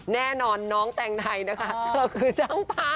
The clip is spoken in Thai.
แน่นอนน้องแต่งไทยนะคะเธอคือช่างภาพ